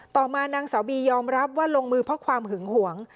ต่อมานางสาวบียอมรับว่าลงมือเพราะความหึงหวง